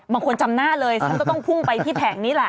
บางคนจำหน้าเลยต้องพุ่งไปที่แผงนี้แหละ